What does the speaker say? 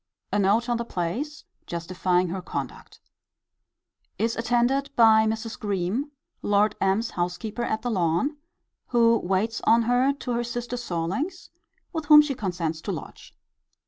[A note on the place, justifying her conduct.] Is attended by Mrs. Greme, Lord M.'s housekeeper at The Lawn, who waits on her to her sister Sorlings, with whom she consents to lodge.